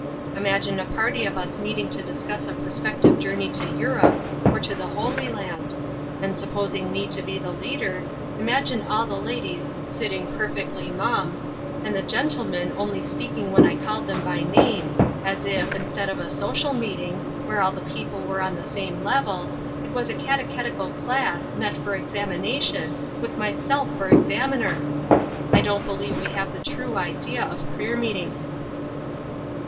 Imagine a party of us meeting to discuss a pro spective journey to Europe, or to the Holy Land ;, and, supposing me to be the leader, imag ine all the ladies sitting perfectly mum, and the 94 Ruth Urskine^s Crosses. gentlemen only speaking when I called them by name, as if, instead of a social meeting, where all the people were on the same level, it was a catechetical class, met for examination, with myself for examiner ! I don't believe we have the true idea of prayer meetings."